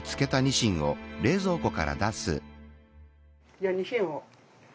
じゃあニシンを。